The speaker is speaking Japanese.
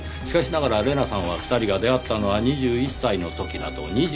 しかしながら玲奈さんは２人が出会ったのは２１歳の時だと。